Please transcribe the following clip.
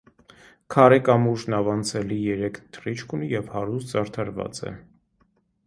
Քարե կամուրջ նավանցելի երեք թռիչք ունի և հարուստ զարդարված է։